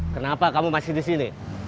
kenapa kamu masih di sini